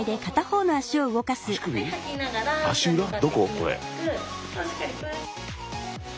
これ。